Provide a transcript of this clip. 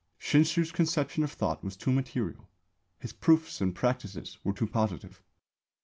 Shinshū's conception of Thought was too material. His proofs and practices were too positive.